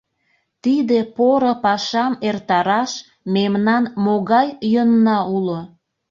Тиде поро пашам эртараш мемнан могай йӧнна уло?